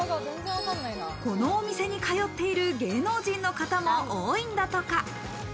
このお店に通っている芸能人の方も多いんだとか。